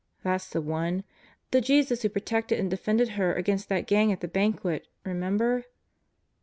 "That's the one. The Jesus who protected and defended her against that gang at the banquet, remember?"